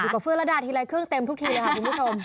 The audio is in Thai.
กว่าเฟื่อระดาทีละครึ่งเต็มทุกทีเลยค่ะคุณผู้ชม